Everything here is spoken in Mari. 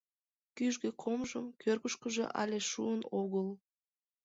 Кӱжгӧ комжым, кӧргышкыжӧ але шуын огыл.